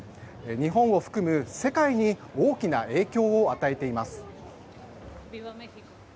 日本を含む世界に大きな影響を与えています。